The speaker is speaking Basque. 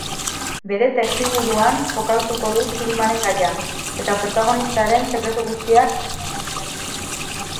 Bere testuinguruan kokatuko du filmaren gaia eta protagonistaren sekretu guztiak agerian utziko ditu.